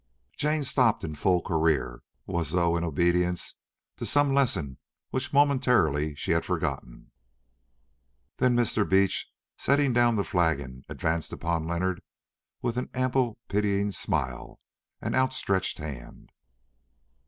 Jane stopped in full career as though in obedience to some lesson which momentarily she had forgotten. Then Mr. Beach, setting down the flagon, advanced upon Leonard with an ample pitying smile and outstretched hand.